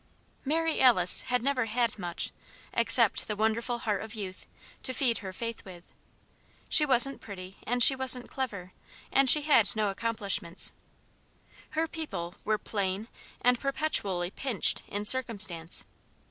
Mary Alice had never had much, except the wonderful heart of youth, to feed her faith with. She wasn't pretty and she wasn't clever and she had no accomplishments. Her people were "plain" and perpetually "pinched" in circumstance.